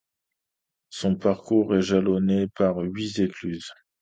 Son parcours est jalonné par huit écluses.